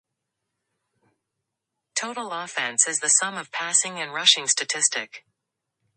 Total offense is the sum of passing and rushing statistics.